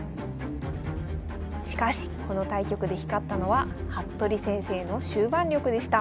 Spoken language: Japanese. しかしこの対局で光ったのは服部先生の終盤力でした。